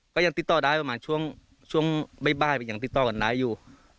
ก็ยังติดต่อได้ประมาณช่วงบ่ายยังติดต่อกับน้าอยู่